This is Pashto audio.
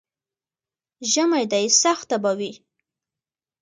ژمی دی، سخته به وي.